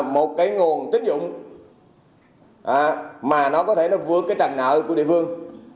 một cái nguồn tính dụng mà nó có thể vượt cái trành nợ của địa phương